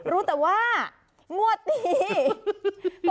รู้แต่ว่างวดนี้